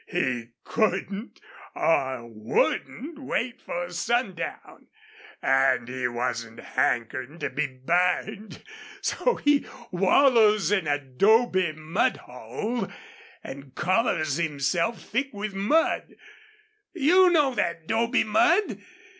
He couldn't or wouldn't wait for sundown. An' he wasn't hankerin' to be burned. So he wallows in a 'dobe mud hole an' covers himself thick with mud. You know that 'dobe mud!